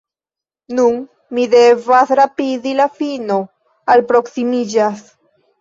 Nun mi devas rapidi; la fino alproksimiĝas.